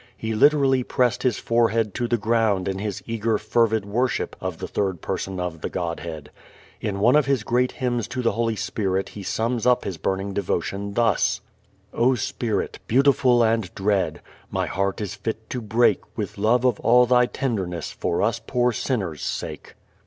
He literally pressed his forehead to the ground in his eager fervid worship of the Third Person of the Godhead. In one of his great hymns to the Holy Spirit he sums up his burning devotion thus: O Spirit, beautiful and dread! My heart is fit to break With love of all Thy tenderness For us poor sinners' sake.